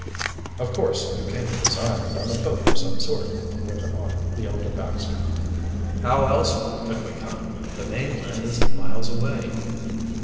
"Of course you came to this island on a boat of some sort," went on the elder Baxter. "How else could we come? The mainland is miles away."